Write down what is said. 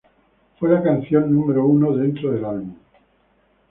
Fue la canción número uno dentro del álbum.